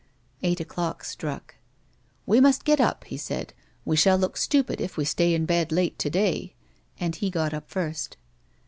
Eight o'clock struck. " We must get up," he said ;" we shall look stupid if we stay in bed late to day ;" and he got up first.